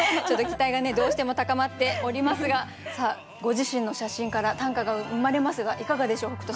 ちょっと期待がねどうしても高まっておりますがご自身の写真から短歌が生まれますがいかがでしょう？